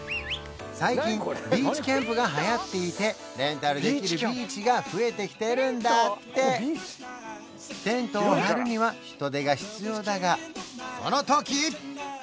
最近ビーチキャンプがはやっていてレンタルできるビーチが増えてきてるんだってテントを張るには人手が必要だがそのとき！